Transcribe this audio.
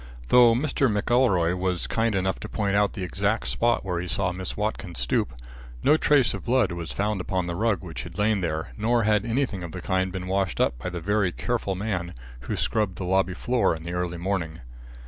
Though Mr. McElroy was kind enough to point out the exact spot where he saw Miss Watkins stoop, no trace of blood was found upon the rug which had lain there, nor had anything of the kind been washed up by the very careful man who scrubbed the lobby floor in the early morning.